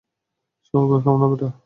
শুভকামনা, বেটা।